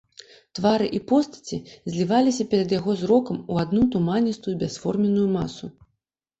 Твары і постаці зліваліся перад яго зрокам у адну туманістую бясформенную масу.